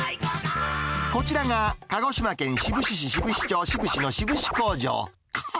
こちらが鹿児島県志布志市志布志町志布志の志布志工場。